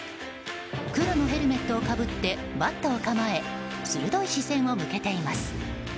黒のヘルメットをかぶってバットを構え鋭い視線を向けています。